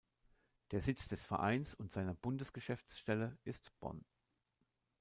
Der Sitz des Vereins und seiner Bundesgeschäftsstelle ist Bonn.